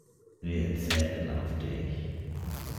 Wir zählen auf dich.